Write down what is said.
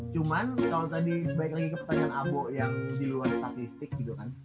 cuman kalau tadi balik lagi ke pertanyaan abo yang di luar statistik gitu kan